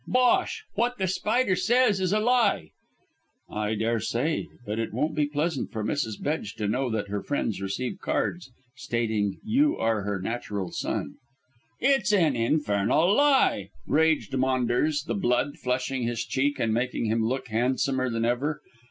"Bosh! What The Spider says is a lie." "I daresay; but it won't be pleasant for Mrs. Bedge to know that her friends receive cards stating you are her natural son." "It's an infernal lie," raged Maunders, the blood flushing his cheek and making him look handsomer than ever.